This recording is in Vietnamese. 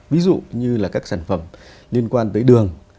ví dụ như là các sản phẩm liên quan tới đường